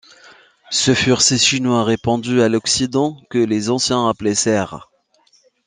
Ce furent ces Chinois répandus à l'occident que les anciens appelaient Sères.